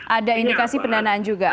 ada indikasi pendanaan juga